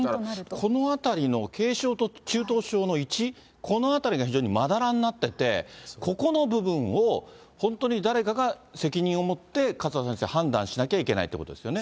このあたりの軽症と中等症の１、この辺りが非常にまだらになってて、ここの部分を、本当に誰かが責任を持って、勝田先生、判断しなきゃいけないってそうですね。